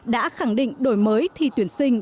đã khẳng định đổi mới thi tuyển sinh